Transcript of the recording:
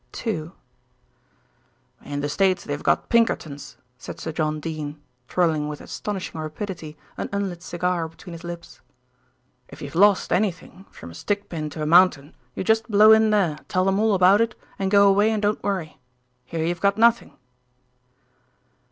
II "In the States they've got Pinkerton's," said Sir John Dene, twirling with astonishing rapidity an unlit cigar between his lips. "If you've lost anything, from a stick pin to a mountain, you just blow in there, tell them all about it, and go away and don't worry. Here you've got nothing."